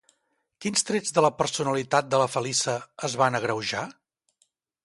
Quins trets de la personalitat de la Feliça es van agreujar?